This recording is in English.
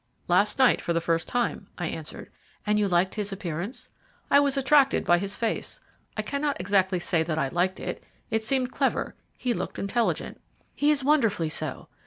"Last night for the first time," I answered. "And you liked his appearance?" "I was attracted by his face. I cannot exactly say that I liked it; it seemed clever he looked intelligent." "He is wonderfully so.